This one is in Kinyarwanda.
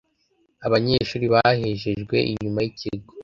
Abanyeshuri bahejejwe inyuma y’ikigo